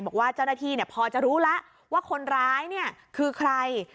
บอกว่าเจ้าหน้าที่พอจะรู้แล้วว่าคนร้ายคือใคร